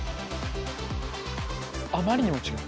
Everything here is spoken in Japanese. あまりにも違う。